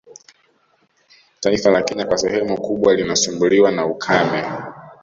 Taifa la Kenya kwa sehemu kubwa linasumbuliwa na ukame